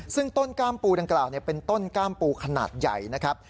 ซึ่งต้นกล้ามปูดังกล่าวเป็นต้นกล้ามปูขนาดใหญ่นะครับ